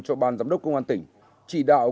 cho ban giám đốc công an tỉnh trị đạo